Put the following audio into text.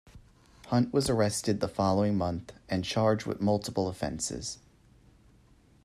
Hunt was arrested the following month and charged with multiple offenses.